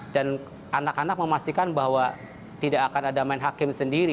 dan anak anak memastikan bahwa tidak akan ada menhakim sendiri